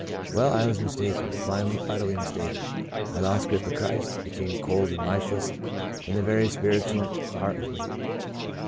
Well, I was mistaken — blindly, utterly mis taken. I lost grip of Christ, became cold and lifeless in the very spiritual heart of me.